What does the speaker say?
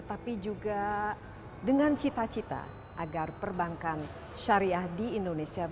tapi juga dengan cita cita agar perbankan syariah di indonesia